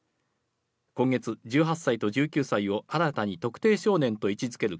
今月、１８歳と１９歳を新たに特定少年と位置づける